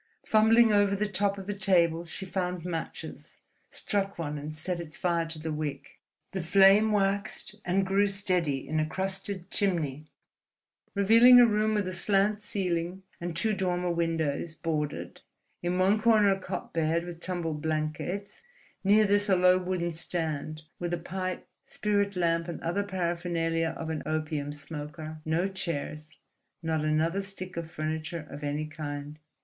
Fumbling over the top of the table, she found matches, struck one, and set its fire to the wick. The flame waxed and grew steady in a crusted chimney, revealing a room with a slant ceiling and two dormer windows, boarded; in one corner a cot bed with tumbled blankets, near this a low wooden stand, with a pipe, spirit lamp, and other paraphernalia of an opium smoker—no chairs, not another stick of furniture of any kind.